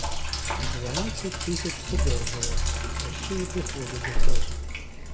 Дванадцять тисяч одержував, та ще й доходи до того.